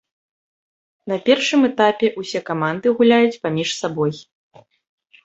На першым этапе ўсе каманды гуляюць паміж сабой.